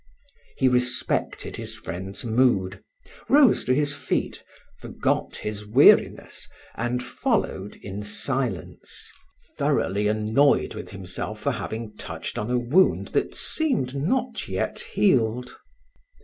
He respected his friend's mood, rose to his feet, forgot his weariness, and followed in silence, thoroughly annoyed with himself for having touched on a wound that seemed not yet healed.